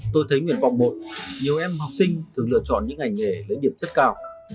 tôi thấy nguyện vọng một nhiều em học sinh thường lựa chọn những ngành nghề lấy điểm rất cao